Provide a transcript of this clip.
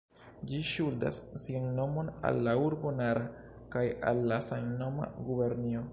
Ĝi ŝuldas sian nomon al la urbo Nara kaj al la samnoma gubernio.